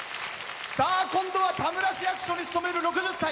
さあ今度は田村市役所に勤める６０歳。